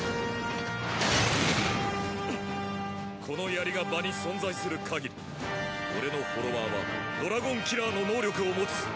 この槍が場に存在するかぎり俺のフォロワーはドラゴンキラーの能力を持つ。